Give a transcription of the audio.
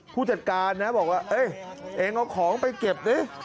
ผู้จัดการนะฮะบอกว่าเอ๊ะเอ็งเอาของไปเก็บนี่